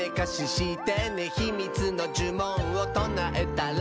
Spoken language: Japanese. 「ひみつのじゅもんをとなえたら」